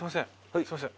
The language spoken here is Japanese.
はい。